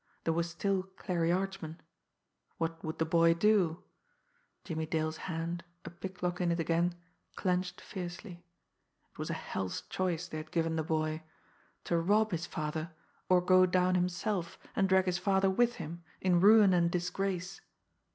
There was still Clarie Archman. What would the boy do? Jimmie Dale's hand, a picklock in it again, clenched fiercely. It was a hell's choice they had given the boy to rob his father, or go down himself, and drag his father with him, in ruin and disgrace!